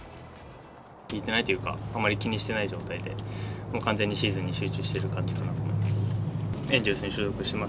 聞いてないというか、あまり気にしてない状態で、完全にシーズンに集中してる感じかなと思います。